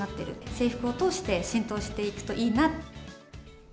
制服を通して浸透していくといいな。